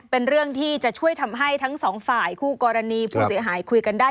เป็นเรื่องที่จะช่วยทำให้ทั้งสองฝ่ายคู่กรณีผู้เสียหายคุยกันได้